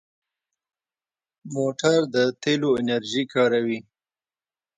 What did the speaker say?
موټر د تېلو انرژي کاروي.